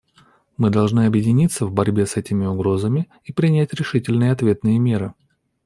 Мы должны объединиться в борьбе с этими угрозами и принять решительные ответные меры.